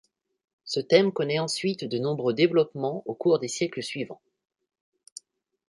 Ce thème connaît ensuite de nombreux développements au cours des siècles suivants.